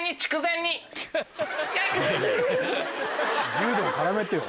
柔道絡めてよ。